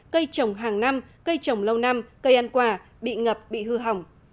cây trồng hàng năm cây trồng lâu năm cây ăn quả bị ngập bị hư hỏng